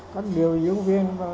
các đưa dưỡng viên